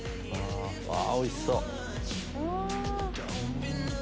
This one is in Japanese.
おいしそう！